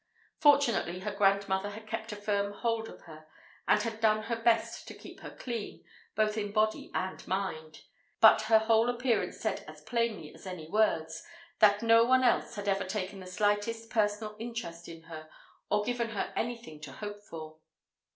Fortunately her grandmother had kept a firm hold of her, and had done her best to keep her clean—both in body and mind; but her whole appearance said as plainly as any words, that no one else had ever taken the slightest personal interest in her, or given her anything to hope for.